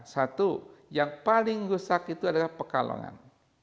satu yang paling rusak itu adalah pekalongan